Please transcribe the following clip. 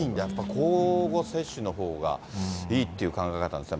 交互接種のほうがいいっていう考え方なんですね。